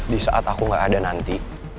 di saat aku gak ada nanti